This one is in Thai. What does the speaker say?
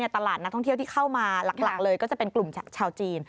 ตลาดนักท่องเที่ยวที่เข้ามาหลักเลยก็จะเป็นกลุ่มชาวจีน